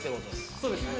そうですねはい。